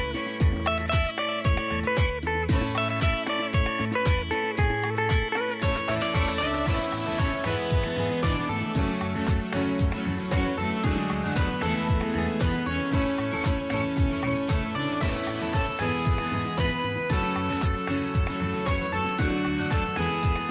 โปรดติดตามตอนต่อไป